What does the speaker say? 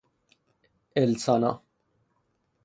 اِلسانا